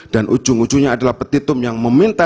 dan ujung ujungnya adalah petitum yang meminta